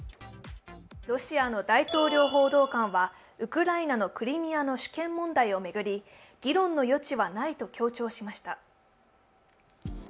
ロシアの大統領報道官はウクライナのクリミアの主権問題を巡り、議論の余地はないと強調しました。